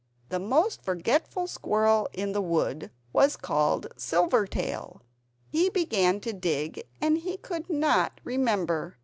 The most forgetful squirrel in the wood was called Silvertail. He began to dig, and he could not remember.